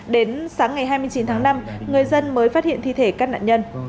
đến sáng ngày hai mươi chín tháng năm người dân mới phát hiện thi thể các nạn nhân